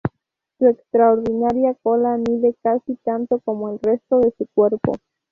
Su extraordinaria cola mide casi tanto como el resto de su cuerpo.